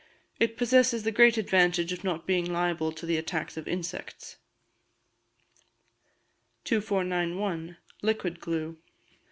It possesses the great advantage of not being liable to the attacks of insects. 2491. Liquid Glue.